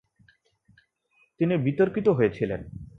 তিনি বিতর্কিত হয়েছিলেন।